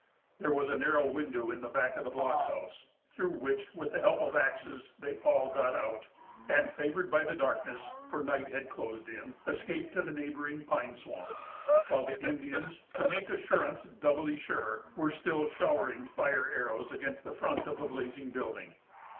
There was a narrow window in the back of the blockhouse, through which, with the help of axes, they all got out; and, favored by the darkness,——for night had closed in,——escaped to the neighboring pine swamp, while the Indians, to make assurance doubly sure, were still showering fire arrows against the front of the blazing building.